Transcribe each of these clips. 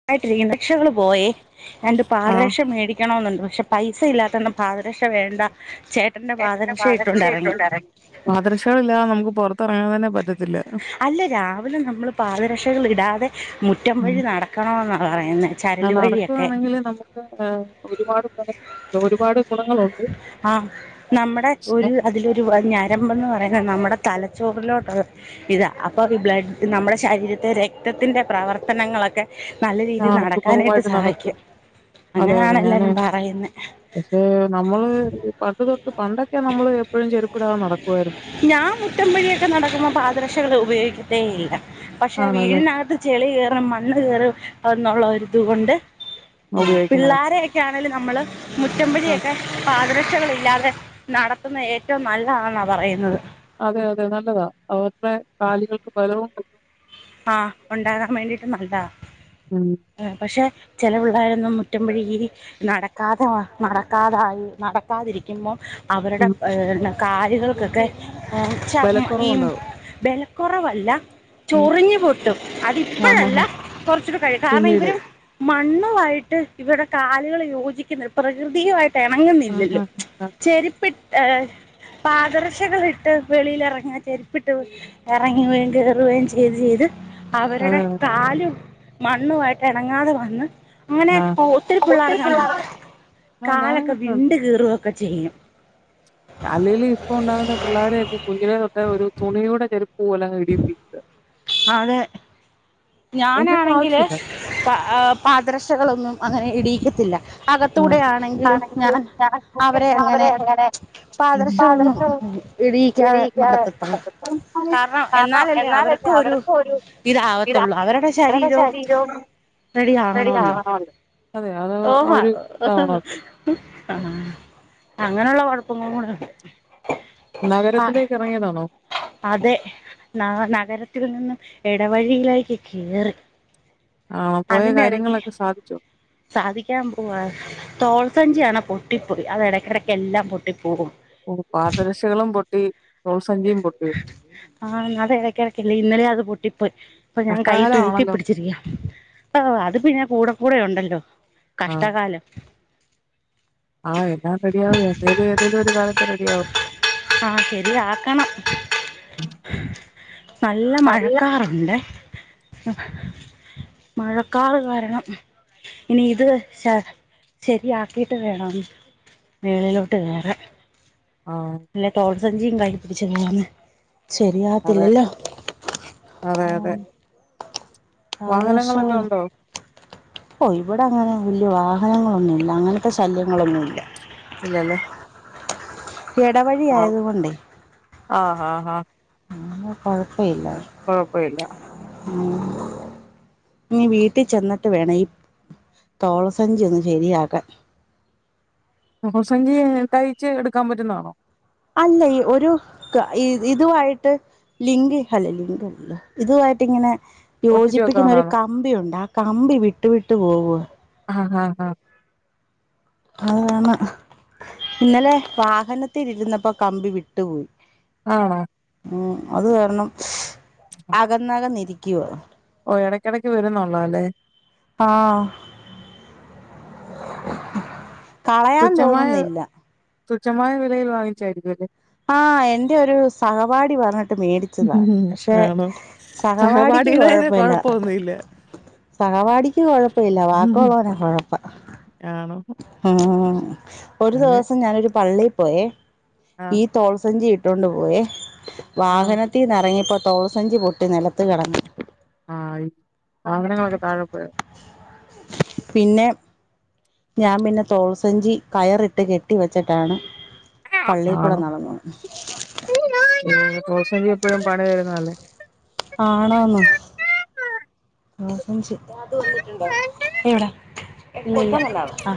ന്നായിട്ടിരിക്ക്ന്ന് [unintelligible] പോയേ ഞാൻ ൻ്റെ ആഹ് പാദരക്ഷ മേടി ആണോന്നുണ്ട് പക്ഷെ പൈസ ഇല്ലാത്തോണ്ട് പാതരക്ഷ വേണ്ട ചേട്ടന്റെ പാദരക്ഷ ഇട്ടോണ്ടറങ്ങി. പാദരക്ഷകളില്ലാതെ നമക്ക് പൊറത്തെറങ്ങാൻ തന്നെ പറ്റത്തില്ല. അല്ല രാവിലെ നമ്മൾ പാദരക്ഷകളിടാതെ മു റ്റം ഉം വഴി നടക്കണൊന്ന പറയുന്നെ അത് ചരല് വഴിയൊക്കെ നടക്കുവാണെങ്കില് [unintelligible] ഒരുപാട് [unintelligible] ഒരുപാട് ഗുണങ്ങളുണ്ട്. ആഹ് നമ്മടെ പക്ഷെ ഒരു അതിലൊരു ഞരമ്പെന്ന് പറയുന്നത് നമ്മുടെ തലച്ചോറിലോട്ടു ഇതാ അപ്പൊ ഈ ബ്ലഡ് നമ്മുടെ ശരീരത്തെ രക്തത്തിന്റെ പ്രവർത്തനങ്ങളൊക്കെ നല്ല രീതിൽ ആഹ് നടക്കാനായിട്ട് സുഗമമായിട്ട് നടക്കും സഹായിക്കും അങ്ങനെയാണ് എല്ലാരും പറയുന്നെ പക്ഷേ നമ്മള് ഈ പണ്ടു തൊട്ട് പണ്ടൊക്കെ നമ്മള് എപ്പഴും ചെരുപ്പിടാതെ നടക്കുവായിരുന്നു. ഞാൻ മുറ്റം വഴിയൊക്കെ നടക്കുമ്പോ പാദരക്ഷകൾ ഉപയോഗിക്കത്തേ ഇല്ല പക്ഷെ ആണല്ലേ വീടിനകത്ത് ചെളി കേറും മണ്ണ് കേറും എന്നുള്ള ഒരിതു കൊണ്ട് ഉപയോഗിക്കുന്ന പിള്ളോരെയൊ ക്കെ ആണേലും നമ്മള് മുറ്റം വഴിയൊ ആഹ് ക്കെ പാദരക്ഷകളില്ലാതെ നടത്തുന്നാ ഏറ്റവും നല്ലതാന്നാ പറയുന്നത്. അതെ അതെ നല്ലതാ അവരുടെ കാലുകൾക്ക് ബലവും കി ആഹ് ഉണ്ടാകാൻ വേണ്ടിട്ട് നല്ലാ ഉം പക്ഷെ ചെല പിള്ളേരൊന്നും മുറ്റം വഴി ഈ നടക്കാതെ നടക്കാതായി നട ക്കാതിരിക്കുമ്പോ അവരുടെ ഉം കാല്കൾക്കൊക്കെ ചം ഈ ബലക്കൊറവുണ്ടാവും ബലക്കൊറവല്ല ഉം മുറിഞ്ഞു പൊട്ടും ആഹ് ആഹ് അതിപ്പഴല്ല ആഹ് കൊറച്ചൂടി കഴിഞ് കാരണം പിന്നീട് ഇവര് മണ്ണുവായിട്ട് ഇവരുടെ കാലുകൾ യോജിക്കുന്നെ പ്രകൃതിയുവായി ആഹ് ട്ടെണങ്ങുന്നില്ലല്ലോ ആഹ് ആഹ് ചെരിപ്പി ഏഹ്‌ പാദരക്ഷകളിട്ട് വെളിയിൽ ഇറങ്ങ ചെരിപ്പിട്ട് ഇറങ്ങുകയും കേറുകയും ചെ ചെയ്ത് ചെയ്ത് അവരുടെ അതെ കാലും മണ്ണുവായിട്ട് എണങ്ങാതെ വന്ന് അങ്ങനെ ആഹ് ഒത്തിരി പിള്ളേർകങ്ങനുണ്ട് ആഹ് ഞാനും കാലൊക്കെ കണ്ടിട്ടുണ്ട്. വിണ്ട് കീറുകൊക്കെ ചെയ്യും. അല്ലേലെ ഇപ്പൊണ്ടാകുന്ന പിള്ളോരെയൊക്കെ കുഞ്ഞിലെ തൊട്ടെ ഒരു തുണിയുടെ ചെരുപ്പ് പോലെ അങ്ങ് ഇടീപ്പിക്ക. അതെ അതിന്റെയൊന്നും ഞാനാണെങ്കില് ആവശ്യമില്ല. പ ആഹ് പാദരക്ഷകളൊന്നും അങ്ങനെ ഇടീക്കത്തില്ല ഉം. അകത്തൂടെ ആണെങ്കിലും ആണെങ്കിൽ ഞാൻ ഞാനൊക്കെ അവരെ എല്ലാവരെ അങ്ങനെ പാദരക്ഷകളൊന്നും പാദരക്ഷ ഇടിയിക്കാതെ നടത്തത്തൊള്ളു കാരണം എന്നാലല്ലേ അവർ ക്കൊരു ഇത് ഇതാവത്തുള്ളൂ അവരുടെ ശരീരവും റെഡി ആകണോല്ലോ ആവണമല്ലോ. അതെ അത് തോഹാ ഒരു ഇതാവണോ ആഹ് അങ്ങനെയുള്ള കുഴപ്പങ്ങളും കൂടെ ഉണ്ട് ആ നഗരത്തിലേക്ക് ഇറങ്ങിയതാണോ? അതെ ന നഗര ത്തിൽനിന്നും എടവഴിയിലേക്ക് കേറി ആഹ് പോയ അതിന്റെടക്ക് കാര്യങ്ങളൊക്കെ സാധിച്ചോ? സാധിക്കാൻ പോവാ തോൾസഞ്ചിയാണെ പൊട്ടിപ്പോയി അത് എടക്കിടക്കെല്ലാം പൊട്ടിപ്പോകും ഓഹ് പാദരക്ഷകളും പൊട്ടി ഞ്ചിയും പൊട്ടിയോ ആഹ് അത് ഇടക്കിടയ്ക്കില്ലേ ഇന്നലെ അത് പൊട്ടിപ്പോയി ഇപ്പ ഞാൻ കയ്യി തൂക്കി കഷ്ടകാലമാണല്ലോ. പിടിച്ചിരിക്ക ഓഹ് അത് പിന്നെ കൂടെ കൂടെ ഉണ്ടല്ലോ ആഹ് കഷ്ടകാലം ആഹ് എല്ലാം റെഡിയാവും എന്തേലും ഏതേലും ഒരു കാലത്ത് റെഡി ആവും ആഹ് ശെരിയാക്കണം നല്ല മഴക്കാറുണ്ട് മഴക്കാറ് കാരണം ഇനി ഇത് ശ ശെരിയാക്കിയിട്ട് വേണം മേളിലോട്ട് കേറാൻ ആഹ് അല്ലെ തോൾസഞ്ചിയും കയ്യിൽ പിടിച്ച് പോന്ന് അതെ ശെരിയാവത്തില്ലല്ലോ അതെ അതെ വാഹനങ്ങളൊക്കെ ആറുവർഷാവ്ണു ഉണ്ടോ ഓഹ് ഇവടെങ്ങനെ വല്യ വാഹനങ്ങളൊന്നുംല്ല അങ്ങനത്തെ ശല്യങ്ങളൊന്നുല്ല ഇല്ല ലേ എടവഴിയായതുകൊണ്ടേ ആഹ് ഹാ ഹാ ഇന്ന് കൊഴപ്പയില്ലാ കൊഴപ്പയില്ല ആഹ് ഇനീ വീട്ടി ചെന്നിട്ട് വേണം ഈ തോള സഞ്ചി ഒന്ന് ശെരിയാക്കാൻ തോൾ സഞ്ചി തയ്ച്ച് എടുക്കാം പറ്റുന്നാണോ? അല്ല ഒരു ഇതുവായ്ട്ട് ലിംഗി ഹല്ല ലിംഗല്ല ഇതുവായിട്ട്ങ്ങനെ ഒട്ടിച്ചു യോജിപ്പിക്കുന്ന ഒരു വെക്കാവുന്നതാണോ കമ്പിയുണ്ട് ആ കമ്പി വിട്ടു വിട്ടു പോവ ആഹ് ഹഹ ഹ അതാണ് ഇന്നലെ വാഹനത്തിരുന്നപ്പോ കമ്പി വിട്ടുപോയി ആണോ? ഉം അത് കാരണം അകന്നകന്നിരിക്കുവാ ഓഹ് എടയ്ക്കടയ്ക്ക് വരുന്നുള്ളാല്ലേ ആഹ് കളയാൻ തുച്ഛമായ തോന്നുന്നില്ല തുച്ഛമായ വിലയിൽ വാങ്ങിച്ചായിരിക്കും അല്ലേ ആഹ് എന്റെ ഒരു സഹപാഠി പറഞ്ഞിട്ട് മേടി ച്ചതാ പക്ഷെ ആണോ സഹവാടിക്ക് സഹപാഠിയുടെന് കൊഴപ്പെല്ല കൊഴപ്പൊന്നുമില്ല സഹവാടിക്ക് കൊഴപ്പയില്ല വാക്കള്ളൊര കൊഴപ്പം ആണോ ഉം ഒരു അതെ ദൊവസം ഞാനൊരു പള്ളി പോയേ ആഹ് ഈഹ് തോൾസഞ്ചിഇട്ടോണ്ട് പോയേ ആഹ് വാഹനത്തീന്നെറങ്ങിയപ്പോ തോൾസഞ്ചി പൊട്ടി നെലത്ത് കെടന്ന് ആഹ് സാധനങ്ങളൊക്കെ താഴെപോയോ പിന്നെ ഞാൻ പിന്നെ തോൾസഞ്ചി കയറി ഇട്ട് കെട്ടി വെച്ചിട്ടാണ് പള്ളിൽക്കൂടെ നടന്നു തോൾസഞ്ചി എപ്പോഴും പണി തരുന്നല്ലേ ആണോന്നോ ആ അത് വന്നിട്ടുണ്ടോ എവിടെ ആ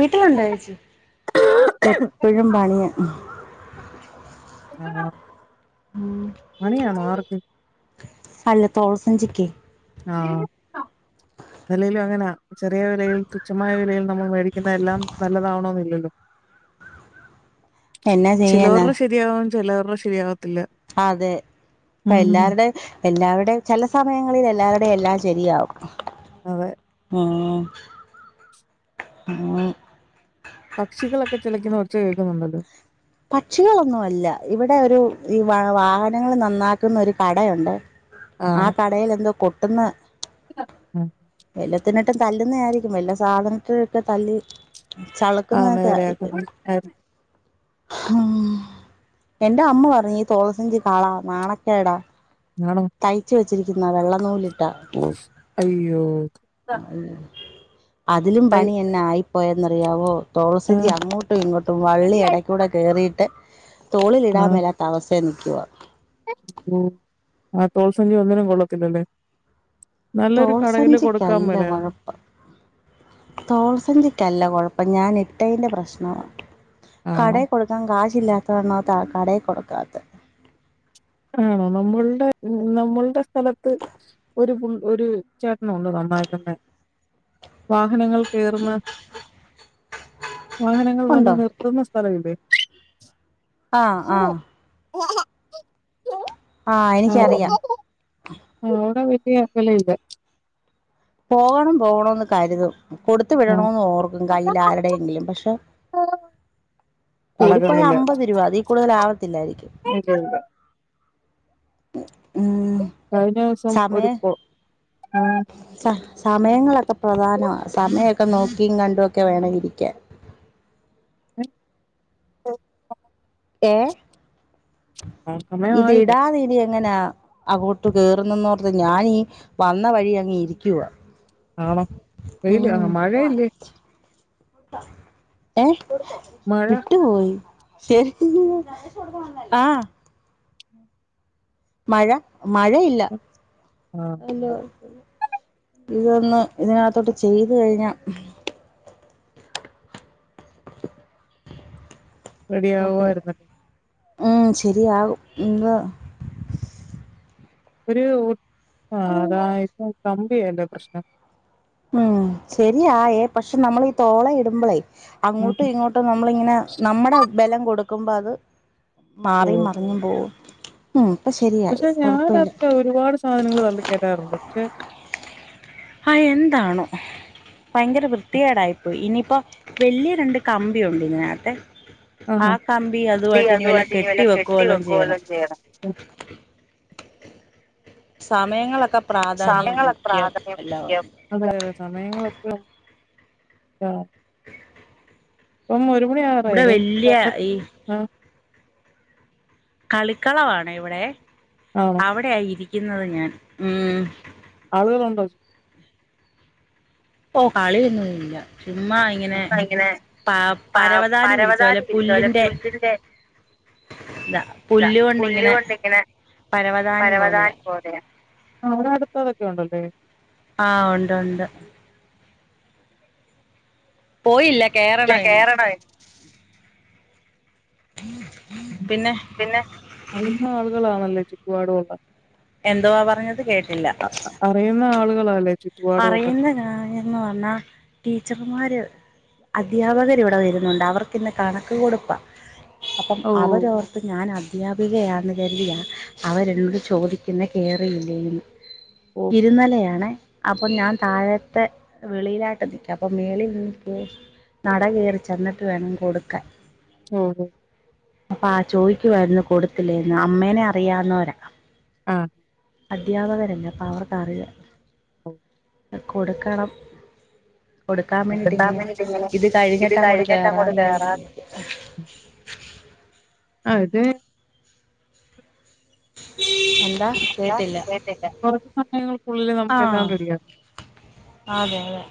വീട്ടിലുണ്ടോ ചേച്ചി എപ്പഴും പണിയ ആണോ പണിയണോ ആർക്ക് അല്ല തോൾസഞ്ചിക്ക് ആഹ അല്ലേലും അങ്ങനയാ ചെറിയ വിലയിൽ ച്ഛമായ വിലയിൽ നമ്മൾ മേടിക്കുന്ന എല്ലാം നല്ലതാവണം എന്നില്ലല്ലോ എന്നാ ചെയ്യാനാ ചിലവരുടെ ശരിയാകും ചിലവരുടെ ശരിയാവത്തില്ല അതെ ഇപ്പ ഉം എല്ലാവരുടെ എല്ലാവരുടെയും ചില സമയങ്ങളിൽ എല്ലാവരുടെയും എല്ലാം ശരിയാവും അതെ ആഹ് ആഹ് പക്ഷികളൊക്കെ ചിലക്കുന്ന ഒച്ച കേൾക്കുന്നുണ്ടല്ലോ പക്ഷികളൊന്നും അല്ല ഇവിടെ ഒരു ഈ വാഹനങ്ങൾ നന്നാക്കുന്ന ഒരു കടയുണ്ട് ആ ആണോ കടയിൽ എന്തോ കൊട്ടുന്ന വല്ല ത്തിനിട്ടും തല്ലുന്നതായിരിക്കും വല്ല സാധനത്തിലിട്ട് തല്ലി ചളുക്കുന്നതൊക്കെ ആയിരിക്കും അതെ ഉം എന്റെ അമ്മ പറഞ്ഞു തോൾസഞ്ചി കളാ നാണക്കേടാ ആണോ തയ്ച്ച് വെച്ചിരിക്കുന്നത് വെള്ളനൂലിട്ടാ അയ്യോ അതിലും തൈ പണി എന്നാ ആയിപ്പോയെന്നറിയാവോ തോൾസഞ്ചി ആഹ് അങ്ങോട്ടും ഇങ്ങോട്ടും വള്ളി ഇടക്കകൂടെ കയറിയിട്ട് തോളിലിടാമേലാത്ത അവസ്ഥയി നിക്കുവ ഉം ആതോൾസഞ്ചി ഒന്നിനും കൊള്ളത്തില്ലല്ലേ നല്ലൊരു കടയില് കൊടുക്കാൻ തോൾസഞ്ചിക്കല്ല മേലായിരുന്നോ കുഴപ്പം തോൾസഞ്ചിക്കല്ല കൊഴപ്പം ഞാൻ ഇട്ടേന്റെ പ്രശ്നവ ആണോ? കടേ കൊടുക്കാൻ കാശില്ലാത്തകർണതാ കടേ കൊടുക്കാത്തെ ആണോ നമ്മൾടെ നമ്മൾ ടെ സ്ഥലത്ത് ഒരു പുൾ ഒരു ചേട്ടനുണ്ട് നന്നാകുന്നെ, വാഹനങ്ങൾ കേറുന്ന വാഹനങ്ങൾ വന്ന് ഉണ്ടോ നിർത്തുന്ന സ്ഥലവില്ലേ ആ ആ [unintelligible] ആ എനിക്കറിയാം ആഹ്‌ അവടെ റെഡി ആക്കല്ണ്ട് പോവണം പോവണന്ന് കരുതും കൊടുത്തു ആ. വിടണോന്നോർക്കും. കയ്യിൽ ആരുടെയെങ്കിലും പക്ഷെ കൂടിപ്പോയ അളകുന്നില്ല. അമ്പത് രൂപ, അതീ കൂടുതലാവത്തില്ലായിരിക്കും [unintelligible] ഉണ്ട് ഉം.... ഉം കഴിഞ്ഞ ദിവസം സമയ ഒരുപ്പോ ആഹ സ സമയങ്ങളൊക്കെ പ്രധാനവ. സമയൊക്കെ നോക്കിയും കണ്ടുംമൊക്കെ വേണമിരിക്കൻ [unintelligible] ഏഹ് ആ, ഇത് സമയമായില്ല. ഇടാതിനി എങ്ങനാ അങ്ങോട്ട് കേറുന്നെന്നോർത്ത് ഞാനീ വന്ന വഴി അങ്ങിരിക്കുവാ ആണോ? വെയില് ഉം ആ മഴയില്ലേ? ഏഹ്‌ മഴ വിട്ടുപോയി ശരി ആഹ് മഴ മഴയില്ല ആ വല്യ ഓക്കെ. കൊഴപ്പല്ല ഇതൊന്ന് ഇതിനകത്തോട്ട് ചെയ്തു കഴിഞ്ഞാ കുഴപ്പമില്ല റെഡിയാവുവായിര്ന്ന് ഉം ശരിയാവും ഇന്ന് ഒരു ആഹ് അതായപ്പോ കമ്പിയല്ലേ പ്രശ്നം ഉം ശരിയായേ പക്ഷെ നമ്മളി തോളെ ഇടുമ്പോളേ ഉം. അങ്ങോട്ടും ഇങ്ങോ ട്ടും നമ്മളിങ്ങനെ നമ്മടെ ബലം കൊടുക്കുമ്പത് ഓ. മാറിയും മറിഞ്ഞും പോകും ഉം പ്പ ശരിയായി. പക്ഷെ കൊഴപ്പമില്ല ഞാനതില് ഒരുപാട് സാധനങ്ങള് തള്ളി കേറ്റാറുണ്ട് പക്ഷെ ഹാ എന്താണോ ഭയങ്കര വൃത്തിയേടായിപ്പോയി ഇനിയിപ്പം വല്യ രണ്ട് കമ്പിയുണ്ട് ഇതിനകത്തെ ആഹാ. ആഹ് കമ്പി നീ അതുവായിട്ട് ഇനി വല്ല അതുമായിട്ട് കെട്ടി വെക്കുവല്ലോ വെക്കു ചെയ്യണം വല്ലോം ചെയ്യണം പക്ഷെ സമയങ്ങളൊക്കെ പ്രാധാന്യം മുഖ്യം എല്ലാവാണ് അതെയതെ സമയങ്ങളൊക്കെ ആഹ് ഇപ്പം ഒരു മണിയാവാറായി ഇവിടെ ഇനി വല്യ [unintelligible] ഈ ആഹ് കളിക്കളവാണെ ഇവിടെ ആണോ അവടെയ ഇരിക്കുന്നത് ഞാൻ ഉം ആളുകളുണ്ടോ ഓ കളി ഒന്നുയില്ല ചുമ്മാ ഇപ്പ ഇങ്ങനെ പ പരവതാനി വിരിച്ച പോലെ പുല്ലിന്റെ ഇതാ താ പുല്ല് കൊണ്ടിങ്ങനെ പുല്ലുകൊണ്ടിങ്ങനെ പരവതാനി പോലെയ ആഹ് അവിടെ അടുത്തതൊക്കെ ഉണ്ടല്ലേ ആഹ് ഉണ്ട് ഉണ്ട് പോയില്ല കേറണമിന്ന് [unintelligible] [inaudible] പിന്നെ അറിയുന്ന ആളുകളാണല്ലോ ചുറ്റുപാടുള്ളെ എന്തുവാ പറഞ്ഞത് കേട്ടില്ല അറിയുന്ന ആളുകളാല്ലേ ചു അറിയുന്ന കാര്യന്ന് പറഞ്ഞാൽ ടീച്ചർമാര് അദ്ധ്യാപകർ ഇവിടെ വരുന്നുണ്ട് അവർക്കിന്ന് കണക്ക് കൊടുപ്പാ അപ്പം ഓഹ് അവരോർത്ത് ഞാൻ അധ്യാപികയാന്ന് കരുതിയ അവരെന്നോട് ചോദിക്കുന്ന കേയറിയില്ലെയെന്ന് ഓഹ് ഇരുനിലയാണെ അപ്പൊ ഞാൻ താഴത്തെ വെളിയിലായിട്ട് നിക്യാ അപ്പൊ മേളിനിന്നിട്ട് നട കയറി ചെന്നിട്ട് വേണം കൊടുക്കാൻ ഓ ഓഹോ അപ്പ ആഹ് ചോദിക്കുവായിരുന്നു കൊടുത്തില്ലേന്ന് അമ്മേനെ അറിയാന്നോരാ ആഹ് അധ്യാപകരല്ലെ അപ്പോ അവർക്കറിയാം [inaudible] കൊടുക്കണം കൊടുക്കാൻ വേണ്ടിട്ട് ഇങ്ങനെ ഇത് കഴിഞ്ഞിട്ട് അങ്ങോട്ട് കേറാന്ന് വിചാരി ആഹ് ഇത് എ [inaudible] എന്താ കേട്ടില്ല കുറച്ചു സമയങ്ങൾക്കുള്ളില് നമുക്കെല്ലാം ആഹ് റെഡിയാക്കാം അതെ അതെ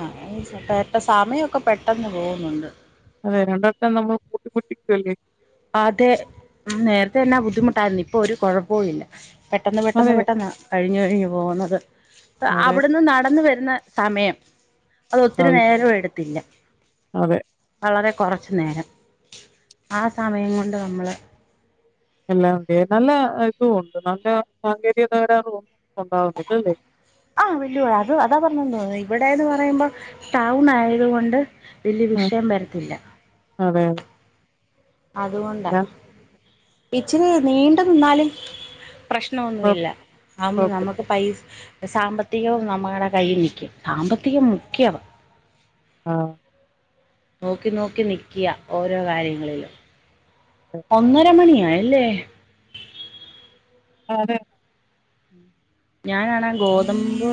ആഹ് കേട്ട സമയമൊക്കെ പെട്ടെന്ന് പോവുന്നുണ്ട് അതെ രണ്ടറ്റം നമ്മൾ കൂട്ടി മുട്ടിക്കല്ലേ അതെ നേരത്തെ തന്നെ ബുദ്ധിമുട്ടായിരുന്നു ഇപ്പൊ ഒരു കുഴപ്പോം ഇല്ല പെട്ടെന്ന് പെട്ടെന്ന് അതെ പെട്ടെന്ന കഴിഞ്ഞു കഴിഞ്ഞു പോകുന്നത് അതെ അവിടുന്ന് നടന്ന വരുന്ന സമയം അതൊത്തിരി അതെ നേരവും എടുത്തില്ല അതെ വളരെ കൊറച്ച് നേരം ആ സമയം കൊണ്ട് നമ്മള് എല്ലാംണ്ട് നല്ല ഇതും ഉണ്ട് നല്ല സാങ്കേതിക തകരാറ് ഒന്നും ഉണ്ടാവുന്നില്ലല്ലേ ആഹ് വിട്ടു പോയ്‌ അത് അതാ പറഞ്ഞു തോന്നുന്നു ഇവിടെന്ന് പറയുമ്പോ ടൗൺ ആയത് കൊണ്ട് വല്ല്യ അതെ വിഷയം വരത്തില്ല അതെ അതുകൊണ്ടാ ഞാൻ ഇച്ചിരി നീണ്ടു നിന്നാല് പ്രശ്ണൊന്നു കുഴപ്പ ഇല്ല ആഉമ്പ കുഴപ്പമില്ല നമക്ക് പൈസ സാമ്പത്തികവും നമ്മളുടെ കയ്യിൽ നിൽക്കും സാമ്പത്തികം മുഖ്യവ ആഹ് നോക്കി നോക്കി നിക്കിയ ഓരോ കാര്യങ്ങളിലും ഒന്നര മണിയായല്ലേ അതെ ഞാനാണ ഗോതമ്പു